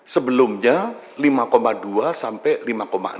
sebelumnya lima dua sampai lima enam